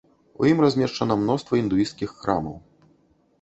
У ім размешчана мноства індуісцкіх храмаў.